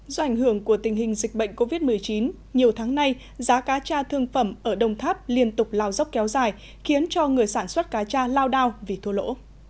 do ảnh hưởng của tình hình dịch bệnh covid một mươi chín nhiều tháng nay giá cá cha thương phẩm ở đồng tháp liên tục lao dốc kéo dài khiến cho người sản xuất cá cha lao đao vì thua lỗ